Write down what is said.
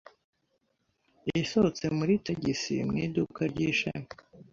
Yasohotse muri tagisi mu iduka ry’ishami.